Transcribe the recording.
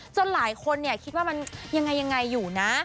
หลายคนคิดว่ามันยังไงอยู่นะ